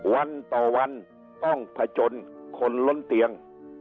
วันต่อวันต้องผจญคนล้นเตียง